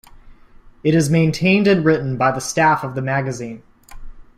It is maintained and written by the staff of the magazine.